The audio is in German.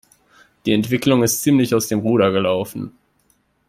Die Entwicklung ist ziemlich aus dem Ruder gelaufen.